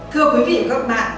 thưa quý vị và các bạn